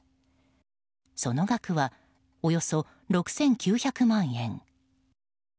その額はおよそ６９００万円。